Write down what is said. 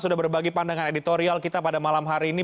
sudah berbagi pandangan editorial kita pada malam hari ini